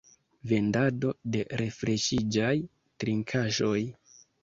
Vendado de refreŝigaj trinkaĵoj.